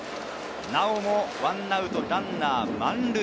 なお１アウトランナー満塁。